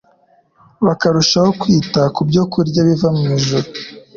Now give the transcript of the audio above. bakarushaho kwita ku byokurya biva mu ijuru,